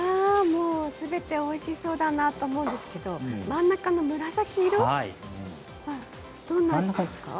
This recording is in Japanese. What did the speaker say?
すべておいしそうだなと思うんですけれども真ん中の紫色どんな味ですか？